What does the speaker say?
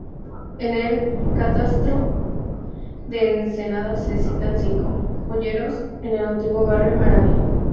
En el "Catastro" de Ensenada se citan cinco "olleros" en el antiguo barrio árabe.